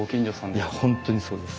いや本当にそうです。